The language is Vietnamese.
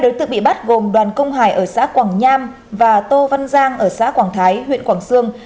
hai đối tượng bị bắt gồm đoàn công hải ở xã quảng nham và tô văn giang ở xã quảng thái huyện quảng sương